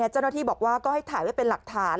เจ้าหน้าที่บอกว่าก็ให้ถ่ายไว้เป็นหลักฐาน